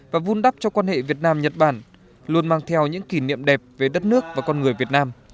và vun đắp cho quan hệ việt nam nhật bản luôn mang theo những kỷ niệm đẹp về đất nước và con người việt nam